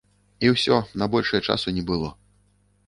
І ўсё, на большае часу не было.